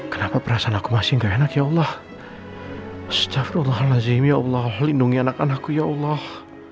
kenapa perasaan aku masih gak enak ya allah syafrullah nazim ya allah lindungi anak anakku ya allah